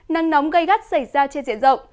nắng nóng gây gắt xảy ra trên diện rộng